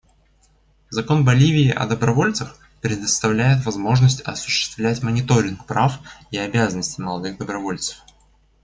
Закон Боливии о добровольцах предоставляет возможность осуществлять мониторинг прав и обязанностей молодых добровольцев.